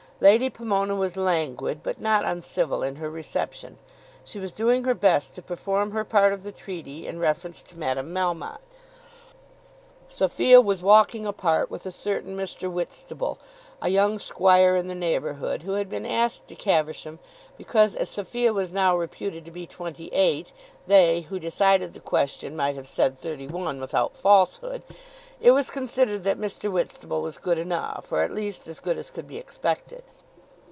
Lady Pomona was languid, but not uncivil in her reception. She was doing her best to perform her part of the treaty in reference to Madame Melmotte. Sophia was walking apart with a certain Mr. Whitstable, a young squire in the neighbourhood, who had been asked to Caversham because as Sophia was now reputed to be twenty eight, they who decided the question might have said thirty one without falsehood, it was considered that Mr. Whitstable was good enough, or at least as good as could be expected.